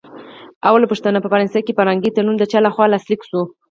لومړۍ پوښتنه: په فرانسه کې فرهنګي تړون د چا له خوا لاسلیک شو؟